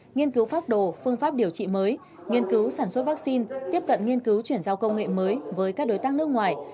nghiên cứu phác đồ phương pháp điều trị mới nghiên cứu sản xuất vaccine tiếp cận nghiên cứu chuyển giao công nghệ mới với các đối tác nước ngoài